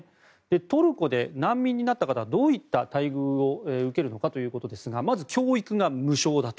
トルコで難民になった方はどういった待遇を受けるのかということですがまず、教育が無償だと。